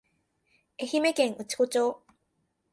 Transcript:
愛媛県内子町